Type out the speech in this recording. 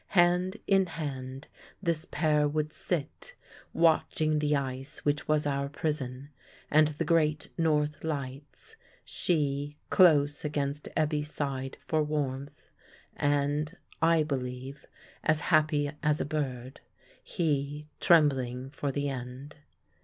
Hand in hand this pair would sit, watching the ice which was our prison and the great North Lights, she close against Ebbe's side for warmth, and (I believe) as happy us a bird; he trembling for the end.